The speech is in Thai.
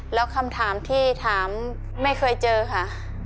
แล้วคำถามที่ถามไม่เคยเจอค่ะ